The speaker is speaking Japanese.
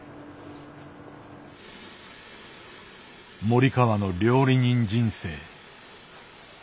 森川の料理人人生。